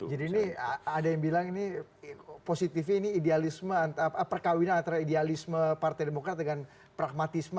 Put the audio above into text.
jadi ini ada yang bilang ini positif ini idealisme perkawinan antara idealisme partai demokrat dengan pragmatisme